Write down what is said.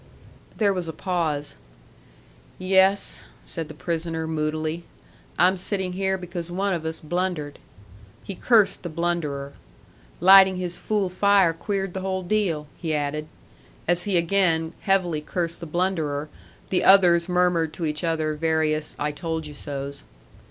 There was a pause. "Yes," said the prisoner, moodily. "I'm sitting here because one of us blundered." He cursed the blunderer. "Lighting his fool fire queered the whole deal," he added. As he again heavily cursed the blunderer, the others murmured to each other various I told you so's.